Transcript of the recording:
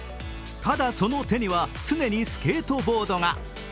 ただ、その手には常にスケートボードが。